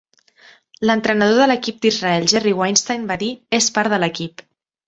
L'entrenador de l'equip d'Israel Jerry Weinstein va dir: "És part de l'equip".